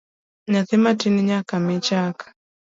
Nyathi matin nyaka mii chak